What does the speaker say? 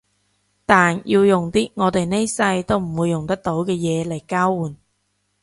但要用啲我哋呢世都唔會得到嘅嘢嚟交換